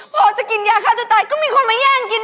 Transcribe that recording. พอจะกินยาฆ่าตัวตายก็มีคนมาแย่งกิน